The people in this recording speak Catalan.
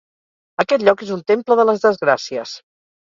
Aquest lloc és un temple de les desgràcies!